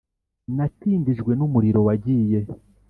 Natindijwe numuriro wagiye